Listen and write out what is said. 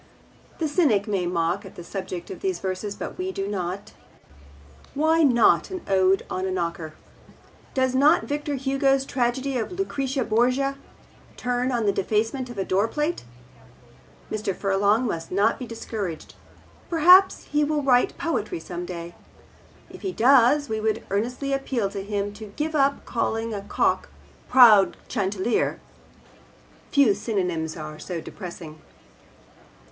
The cynic may mock at the subject of these verses, but we do not. Why not an ode on a knocker? Does not Victor Hugo's tragedy of Lucrece Borgia turn on the defacement of a doorplate? Mr. Furlong must not be discouraged. Perhaps he will write poetry some day. If he does we would earnestly appeal to him to give up calling a cock 'proud chanticleer.' Few synonyms are so depressing.